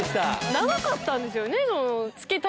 長かったんですよね。